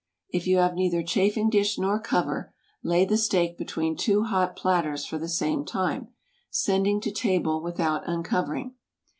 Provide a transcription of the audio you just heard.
If you have neither chafing dish nor cover, lay the steak between two hot platters for the same time, sending to table without uncovering.